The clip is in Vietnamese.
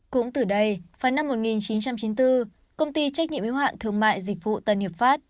cũng từ đây vào năm một nghìn chín trăm chín mươi bốn công ty trách nhiệm yếu hạn thương mại dịch vụ tân hiệp pháp